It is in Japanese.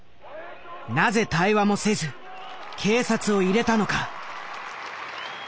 「なぜ対話もせず警察を入れたのか」。